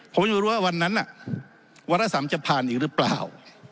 ผมไม่รู้ว่าวันนั้นวาระ๓จะผ่านอีกหรือเปล่า